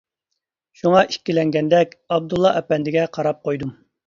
شۇڭا ئىككىلەنگەندەك، ئابدۇللا ئەپەندىگە قاراپ قويدۇم.